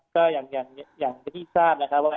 ก็อย่างอย่างอย่างที่ทราบนะครับว่า